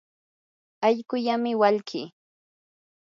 allquullami walkii.